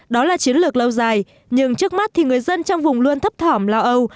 đó là chiến lược lâu dài nhưng trước mắt thì người dân trong vùng luôn thấp thỏm lo âu